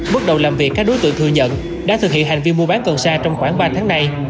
bước đầu làm việc các đối tượng thừa nhận đã thực hiện hành vi mua bán cần xa trong khoảng ba tháng nay